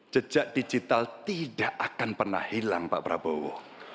jejak digital tidak akan pernah hilang pak prabowo